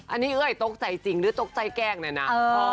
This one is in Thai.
อันนี้เอ้ยตกใจจริงหรือตกใจแกล้งเนี่ยนะ